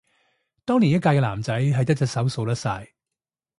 當年一屆嘅男仔係一隻手數得晒